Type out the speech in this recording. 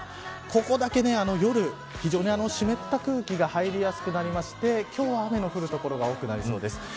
ここだけ夜、非常に湿った空気が入りやすくなりまして今日は雨の降る所が多くなりそうです。